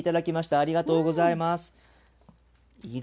ありがとうございます。